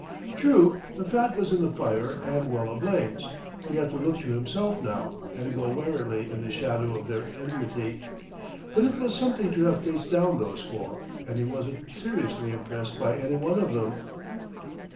True, the fat was in the fire and well a blaze: he had to look to himself now, and go warily in the shadow of their enmity. But it was something to have faced down those four, and he wasn't seriously impressed by any one of them.